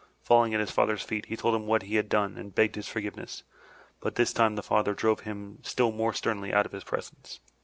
Falling at his father's feet, he told him what he had done and begged his forgiveness, but this time the father drove him still more sternly out of his presence.